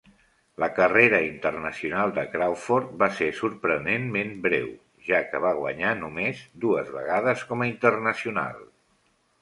La carrera internacional de Crawford va ser sorprenentment breu, ja que va guanyar només dues vegades com a internacional.